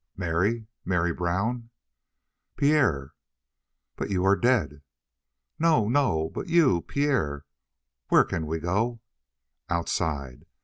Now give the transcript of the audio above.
"Mary Mary Brown!" "Pierre!" "But you are dead!" "No, no! But you Pierre, where can we go?" "Outside."